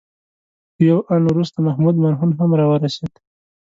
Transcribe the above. یو آن وروسته محمود مرهون هم راورسېد.